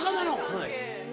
はい。